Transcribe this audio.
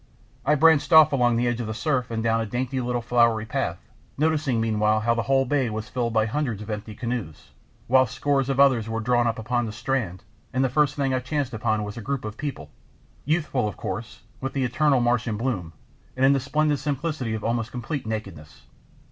I branched off along the edge of the surf and down a dainty little flowery path, noticing meanwhile how the whole bay was filled by hundreds of empty canoes, while scores of others were drawn up on the strand, and then the first thing I chanced upon was a group of people youthful, of course, with the eternal Martian bloom and in the splendid simplicity of almost complete nakedness.